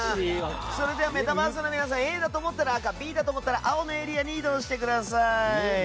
では、メタバースの皆さんＡだと思ったら赤Ｂだと思ったら青のエリアに移動してください。